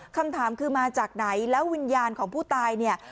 คำถามคือมาจากไหนแล้ววิญญาณของผู้ตายเนี่ย